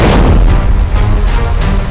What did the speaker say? apa yang akan kau lakukan